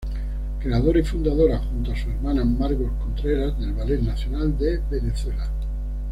Creadora y fundadora, junto a su hermana Margot Contreras, del Ballet Nacional de Venezuela.